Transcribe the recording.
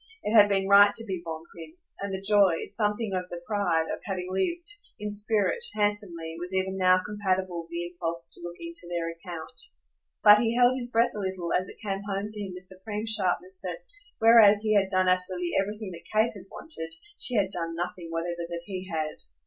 It had been right to be bon prince, and the joy, something of the pride, of having lived, in spirit, handsomely, was even now compatible with the impulse to look into their account; but he held his breath a little as it came home to him with supreme sharpness that, whereas he had done absolutely everything that Kate had wanted, she had done nothing whatever that he had.